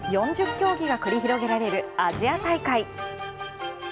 ４０競技が繰り広げられるアジア大会。